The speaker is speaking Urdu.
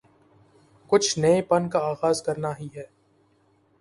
کچھ نئے پن کا آغاز کرنا ہی ہے۔